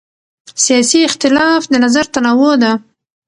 سیاسي اختلاف د نظر تنوع ده